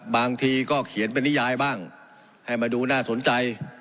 บางทีก็เขียนเป็นนิยายบ้างให้มาดูน่าสนใจ